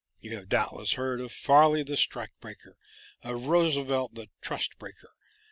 You have doubtless heard of Farley the Strike Breaker, of Roosevelt the Trust Breaker.